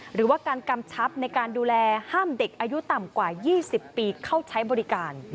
หรือว่าการกำชับในการดูแลห้ามเด็กอายุต่ำกว่า๒๐ปีเข้าใช้บริการ